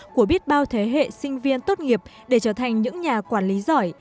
của biết bao thế hệ sinh viên tốt nghiệp để trở thành những nhà quản lý giỏi